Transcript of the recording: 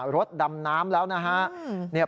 รถดำน้ำแล้วนะฮะ